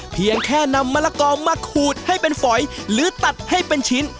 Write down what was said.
เพียงแค่นำมะละกอมาขูดให้เป็นฝอยหรือตัดให้เป็นชิ้น